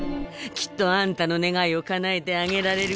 きっとあんたの願いをかなえてあげられるからさ。